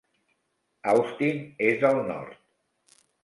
Austin és al nord.